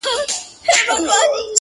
جونګړه د زمرو ده څوک به ځي څوک به راځي-